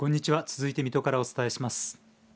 続いて水戸からお伝えします。